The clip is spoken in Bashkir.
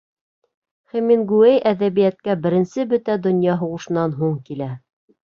Хемингуэй әҙәбиәткә Беренсе бөтә донъя һуғышынан һуң килә.